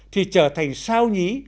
thì trở thành sao nhí